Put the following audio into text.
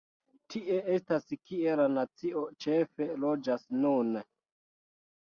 Tie estas kie la nacio ĉefe loĝas nune.